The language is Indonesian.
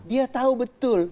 dia tahu betul